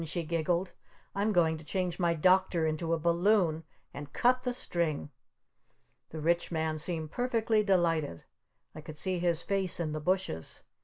she giggled. "I'm going to change my Doctor into a Balloon! And cut the string!" The Rich Man seemed perfectly delighted. I could see his face in the bushes.